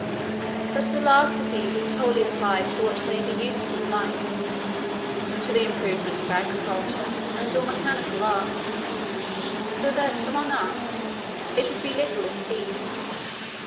But the last of these is wholly applied to what may be useful in life, to the improvement of agriculture, and all mechanical arts; so that among us, it would be little esteemed.